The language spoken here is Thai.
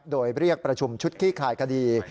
โดยเรียกประชุมชุดขี้คายคดี